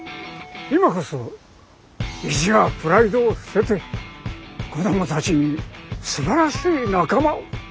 今こそ意地やプライドを捨てて子どもたちにすばらしい仲間を。